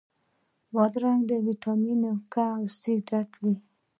بادرنګ له ویټامین K او C ډک وي.